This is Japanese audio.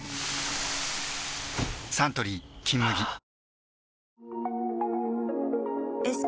サントリー「金麦」よしっ！